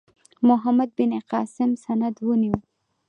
محمد بن قاسم سند ونیو.